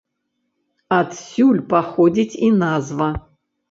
Адсюль паходзіць і назва.